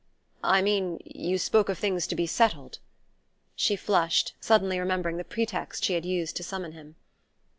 "I mean: you spoke of things to be settled " She flushed, suddenly remembering the pretext she had used to summon him.